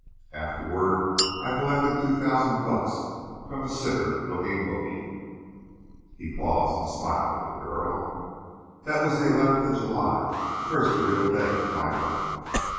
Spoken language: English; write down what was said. Afterward I collected two thousand bucks from a sicker looking bookie." He paused and smiled at the girl. "That was the 11th of July. First real day of my life."